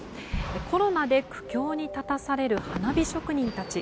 コロナで苦境に立たされる花火職人たち。